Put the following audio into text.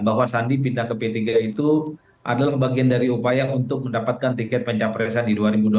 bahwa sandi pindah ke p tiga itu adalah bagian dari upaya untuk mendapatkan tiket pencapresan di dua ribu dua puluh